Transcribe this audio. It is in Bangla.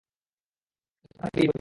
আমি তো এখনো বিয়েই করিনি।